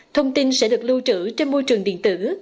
thông tin sẽ được lưu trữ trên môi trường điện tử